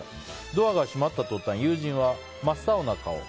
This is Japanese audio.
ドアが閉まった途端友人は真っ青な顔。